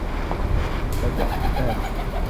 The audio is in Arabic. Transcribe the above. بدأت آكل.